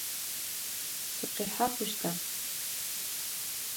Сыкъихьэ хъущта?